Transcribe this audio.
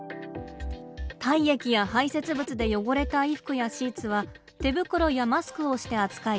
体液や排せつ物で汚れた衣服やシーツは手袋やマスクをして扱い